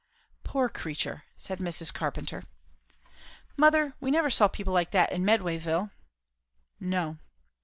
"Poor creature!" said Mrs. Carpenter. "Mother, we never saw people like that in Medwayville." "No."